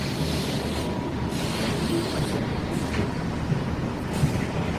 Die Fassade liegt an der "rue de Laeken".